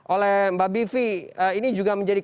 oleh mbak bivi ini juga menjadi